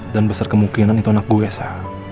dan besar kemungkinan itu anak gue sa